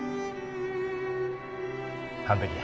完璧や。